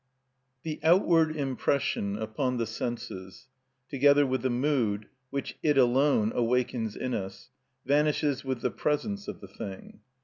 The outward impression upon the senses, together with the mood which it alone awakens in us, vanishes with the presence of the thing.